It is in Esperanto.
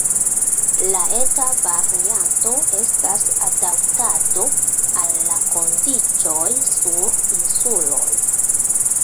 La eta varianto estas adaptado al la kondiĉoj sur insuloj.